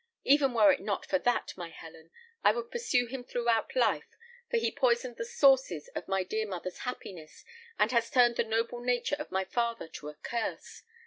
Even were it not for that, my Helen, I would pursue him throughout life; for he poisoned the sources of my dear mother's happiness, and has turned the noble nature of my father to a curse.